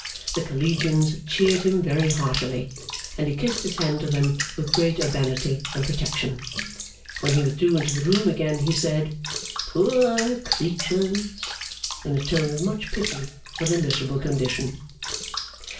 The Collegians cheered him very heartily, and he kissed his hand to them with great urbanity and protection. When he withdrew into the room again, he said 'Poor creatures!' in a tone of much pity for their miserable condition.